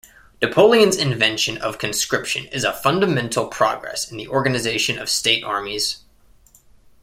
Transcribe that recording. Napoleon's invention of conscription is a fundamental progress in the organisation of state armies.